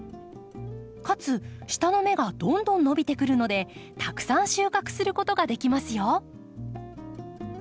かつ下の芽がどんどん伸びてくるのでたくさん収穫することができますよ。